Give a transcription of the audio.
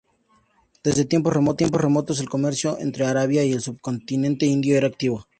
Desde tiempos remotos, el comercio entre Arabia y el Subcontinente Indio era activo.